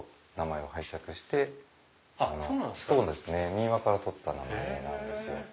民話から取った名前なんですよ。